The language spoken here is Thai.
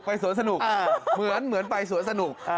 สวนสนุกเหมือนไปสวนสนุก